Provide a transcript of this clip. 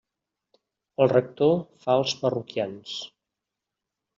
El rector fa els parroquians.